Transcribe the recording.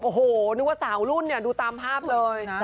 โอ้โหนึกว่าสาวรุ่นเนี่ยดูตามภาพเลย